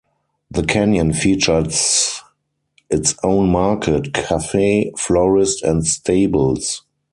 The canyon features its own market, cafe, florist and stables.